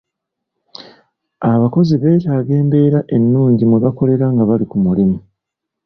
Abakozi beetaaga embeera ennungi mwe bakolera nga bali ku mulimu.